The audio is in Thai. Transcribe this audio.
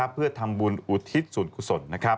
เพื่อทำบุญอุทิศส่วนกุศล